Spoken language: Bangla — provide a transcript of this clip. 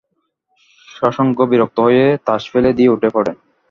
শশাঙ্ক বিরক্ত হয়ে তাস ফেলে দিয়ে উঠে পড়ে।